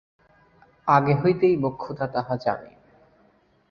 আগে হইতেই মোক্ষদা তাহা জানে।